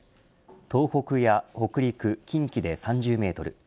東北や北陸、近畿で３０メートル